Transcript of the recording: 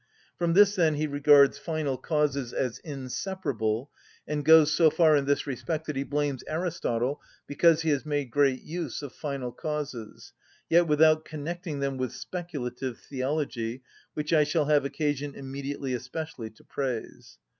From this, then, he regards final causes as inseparable, and goes so far in this respect that he blames Aristotle because he has made great use of final causes, yet without connecting them with speculative theology (which I shall have occasion immediately especially to praise).